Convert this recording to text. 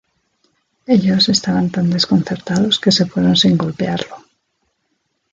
Ellos estaban tan desconcertados que se fueron sin golpearlo.